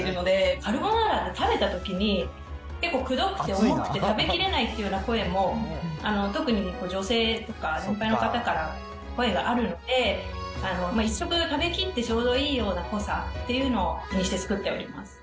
カルボナーラって食べたときに、くどくて重くて食べきれないっていう声も、特に女性とか、年配の方から声があるので、１食食べきって、ちょうどいいような濃さというのを気にして作っております。